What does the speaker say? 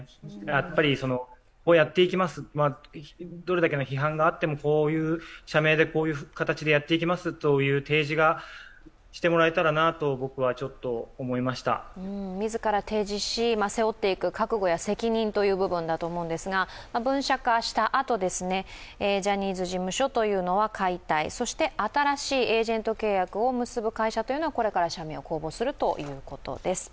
やっぱりこうやっていきます、どれだけの批判があっても、こういう社名で、こういう形でやっていきますという提示がしてもらえたらなと自ら提示し、背負っていく覚悟や責任という部分だと思うんですけれども、分社化したあとジャニーズ事務所というのは解体、そして、新しいエージェント契約を結ぶ会社というのはこれから社名を公募するということです。